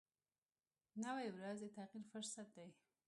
نوې ورځ د تغیر فرصت دی